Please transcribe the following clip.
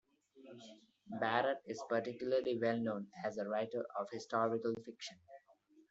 Barrett is particularly well known as a writer of historical fiction.